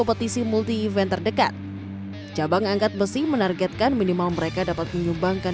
aktif di multi event terdekat jabang angkat besi menargetkan minimal mereka dapat menyumbangkan